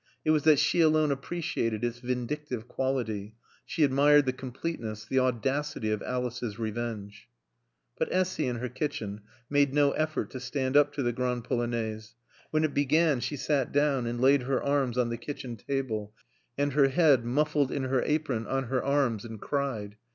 It was that she alone appreciated its vindictive quality; she admired the completeness, the audacity of Alice's revenge. But Essy in her kitchen made no effort to stand up to the Grande Polonaise. When it began she sat down and laid her arms on the kitchen table, and her head, muffled in her apron, on her arms, and cried.